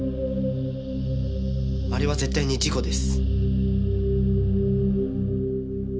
あれは絶対に事故です。